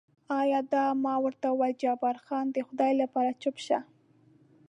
ایا دا؟ ما ورته وویل جبار خان، د خدای لپاره چوپ شه.